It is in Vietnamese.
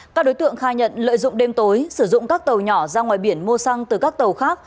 các đối tượng khai nhận lợi dụng đêm tối sử dụng các tàu nhỏ ra ngoài biển mua xăng từ các tàu khác